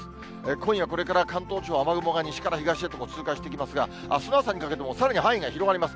今夜これから関東地方、雨雲が西から東へと通過していきますが、あすの朝にかけてもさらに範囲が広がります。